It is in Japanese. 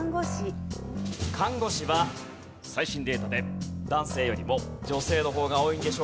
看護師は最新データで男性よりも女性の方が多いんでしょうか？